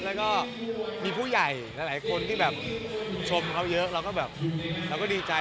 แล้วก็มีผู้ใหญ่หลายคนที่ชมเขาเยอะเราก็ดีใจ